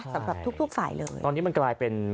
สำหรับทุกฝ่ายเลยอืมใช่ตอนนี้มันกลายเป็น